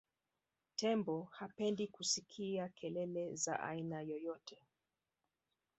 tembo hapendi kusikia kelele za aina yoyote